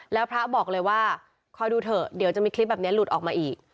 แล้วพระบอกเลยว่าคอยดูเถอะเดี๋ยวจะมีคลิปแบบนี้หลุดออกมาอีก